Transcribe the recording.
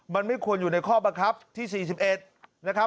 มันไม่ควรอยู่ในข้อบังคับที่๔๑นะครับ